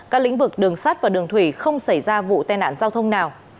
các lĩnh vực đường sắt và đường thủy không xảy ra vụ tai nạn giao thông nào